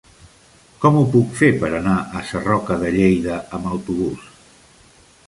Com ho puc fer per anar a Sarroca de Lleida amb autobús?